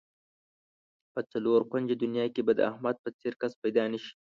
په څلور کونجه دنیا کې به د احمد په څېر کس پیدا نشي.